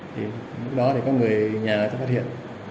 thì lúc đó thì có người nhà ta phát hiện